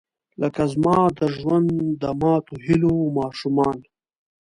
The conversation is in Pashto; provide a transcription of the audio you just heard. لکه زما د ژوند، د ماتوهیلو ماشومان